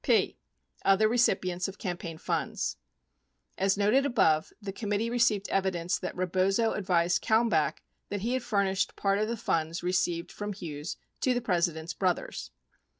P. Other Recipients of Campaign Funds As noted above, the committee received evidence that Rebozo ad vised Kalmbach that he had furnished part of the funds received from Hughes to the President's brothers.